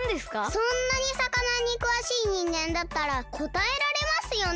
そんなにさかなにくわしいにんげんだったらこたえられますよね？